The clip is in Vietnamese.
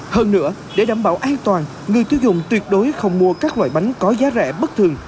hơn nữa để đảm bảo an toàn người tiêu dùng tuyệt đối không mua các loại bánh có giá rẻ bất thường